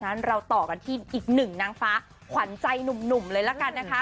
เราต่อกันที่อีกหนึ่งนางฟ้าขวัญใจหนุ่มเลยละกันนะคะ